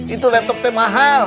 itu laptop teh mahal